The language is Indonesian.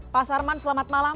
pak sarman selamat malam